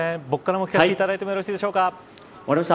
僕からも聞かさせていただいてもよろしいでしょうか。